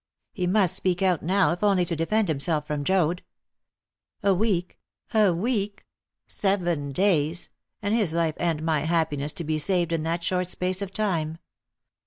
He must speak out now, if only to defend himself from Joad. A week a week seven days and his life and my happiness to be saved in that short space of time.